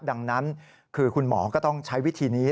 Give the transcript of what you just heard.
ดังนั้นคือคุณหมอก็ต้องใช้วิธีนี้